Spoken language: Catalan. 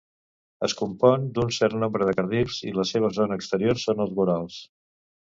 Es compon d'un cert nombre de carrils i la seva zona exterior són els vorals.